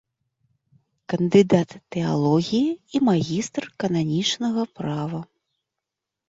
Кандыдат тэалогіі і магістр кананічнага права.